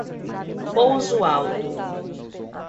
Pouso Alto